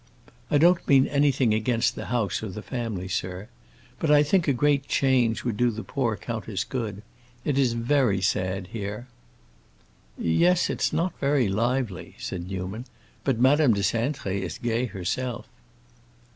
"I don't mean anything against the house or the family, sir. But I think a great change would do the poor countess good. It is very sad here." "Yes, it's not very lively," said Newman. "But Madame de Cintré is gay herself."